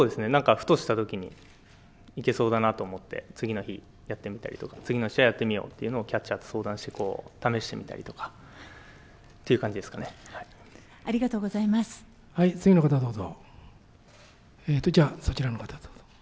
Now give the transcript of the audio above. ふとしたときに、行けそうだなと思って、次の日、やってみたりとか、次の日やってみようというのをキャッチャーと相談試してみた次の方、どうぞ。